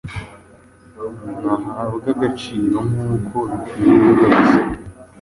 ntahabwe agaciro nk’uko bikwiriye rwose.